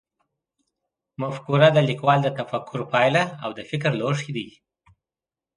مفکوره د لیکوال د تفکر پایله او د فکر لوښی دی.